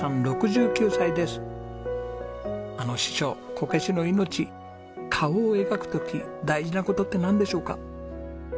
あの師匠こけしの命顔を描く時大事な事ってなんでしょうか？